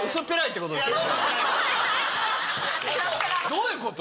どういうこと？